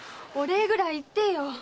お礼ぐらい言ってよ。